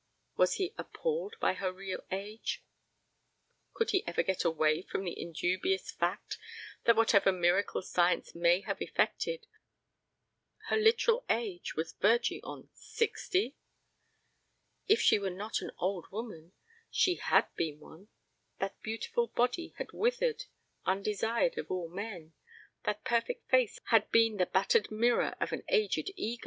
Was he appalled by her real age; could he ever get away from the indubious fact that whatever miracle science may have effected, her literal age was verging on sixty? If she were not an old woman she had been one. That beautiful body had withered, undesired of all men, that perfect face had been the battered mirror of an aged ego.